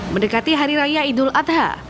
mendekati hari raya idul adha